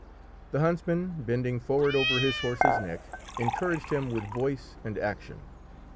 The huntsman, bending forward over his horse's neck, encouraged him with voice and action.